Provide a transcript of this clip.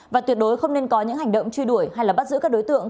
và tuyệt đối không nên có những hành động truy đuổi hay bắt giữ các đối tượng